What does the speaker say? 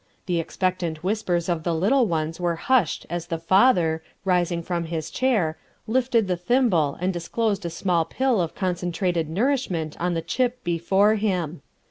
The expectant whispers of the little ones were hushed as the father, rising from his chair, lifted the thimble and disclosed a small pill of concentrated nourishment on the chip before him.